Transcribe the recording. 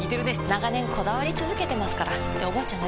長年こだわり続けてますからっておばあちゃん